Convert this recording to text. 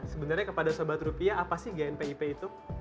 sebenarnya kepada sobat rupiah apa sih gnpip itu